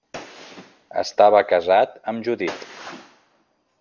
Estava casat amb Judit.